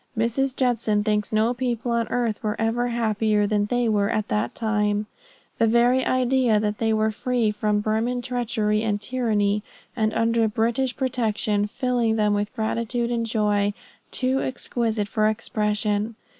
Mrs. Judson thinks no people on earth were ever happier than they were at that time; the very idea that they were free from Burman treachery and tyranny, and under British protection, filling them with gratitude and joy too exquisite for expression.